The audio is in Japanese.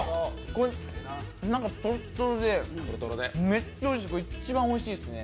中とろっとろでめっちゃおいしい一番おいしいっすね。